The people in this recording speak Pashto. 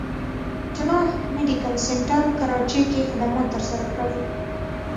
جناح ميډيکل سنټر کراچې کښې خدمات تر سره کړل